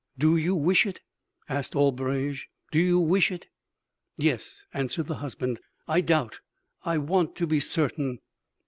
"'Do you wish it?' asked Albrege. 'Do you wish it?' "'Yes,' answered the husband; 'I doubt I want to be certain.'